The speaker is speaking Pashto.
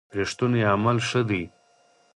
رښتوني عمل ښه دی.